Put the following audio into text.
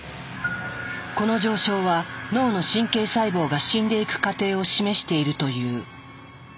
この上昇は脳の神経細胞が死んでいく過程を示しているという。